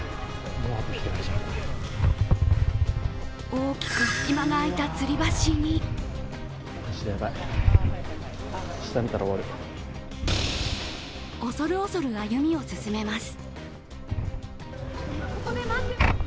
大きく隙間が空いたつり橋に恐る恐る歩みを進めます。